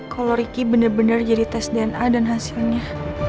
kalo riki bener bener jadi tes dna dan hasilnya